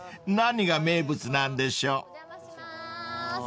何が名物なんでしょう］